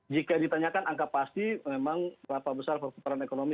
jika ditanyakan angka pasti memang berapa besar perputaran ekonomi